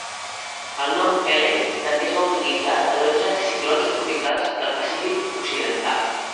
El nom Ellen també es va utilitzar per a dotze ciclons tropicals del Pacífic Occidental.